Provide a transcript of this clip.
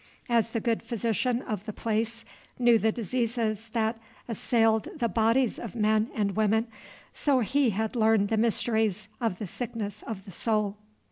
As the good physician of the place knew the diseases that assailed the bodies of men and women, so he had learned the mysteries of the sickness of the soul.